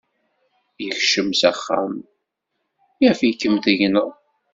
Yekcem s axxam yaf-ikem tegneḍ.